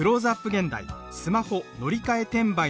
現代「スマホ“乗り換え転売”の罠